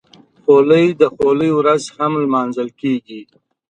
خولۍ د خولۍ ورځ هم لمانځل کېږي.